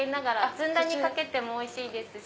ずんだにかけてもおいしいですし